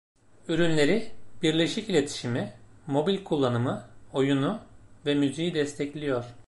Ürünleri birleşik iletişimi, mobil kullanımı, oyunu ve müziği destekliyor.